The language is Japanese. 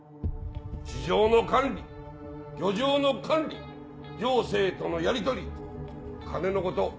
市場の管理漁場の管理行政とのやりとり金のこと。